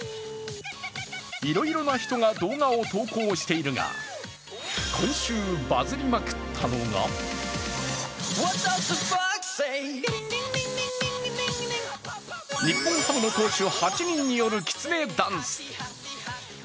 いろいろな人が動画を投稿しているが、今週バズりまくったのが日本ハムの投手８人によるきつねダンス。